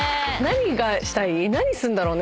何すんだろうね？